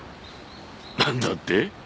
何だって？